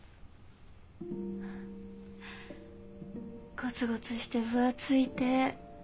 ゴツゴツして分厚い手。